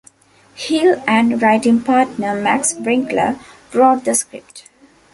Hill and writing partner, Max Winkler, wrote the script.